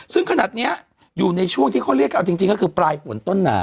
ซึ่งขนาดนี้อยู่ในช่วงที่เขาเรียกเอาจริงก็คือปลายฝนต้นหนา